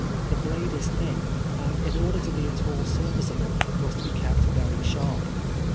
The blade is thin, and in order to be at all serviceable must be kept very sharp.